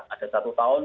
ada satu tahun